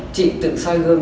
chị tự soi gương